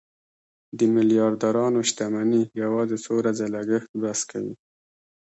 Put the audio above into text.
د میلیاردرانو شتمني یوازې څو ورځو لګښت بس کوي.